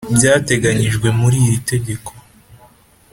byateganyijwe muri iri tegeko